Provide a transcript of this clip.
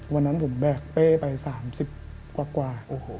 วันนั้นผมแบกเป้ไป๓๐กว่าโอ้โห